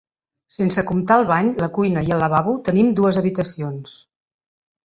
Sense comptar el bany, la cuina i el lavabo, tenim dues habitacions.